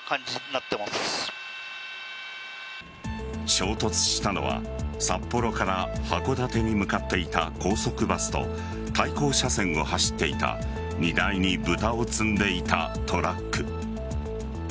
衝突したのは札幌から函館に向かっていた高速バスと対向車線を走っていた荷台に豚を積んでいたトラック。